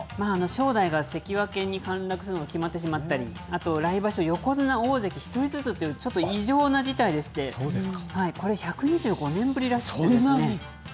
正代が関脇に陥落するのが決まってしまったり、あと、来場所、横綱、大関１人ずつという、ちょっと異常な事態でして、これ１２５年ぶりらしいですね。